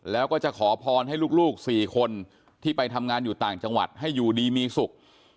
แล้วก็จะขอพรให้ลูก๔คนที่ไปทำงานอยู่ต่างจังหวัดให้อยู่ดีมีสุข